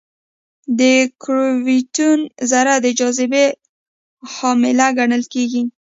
د ګرویتون ذره د جاذبې حامل ګڼل کېږي.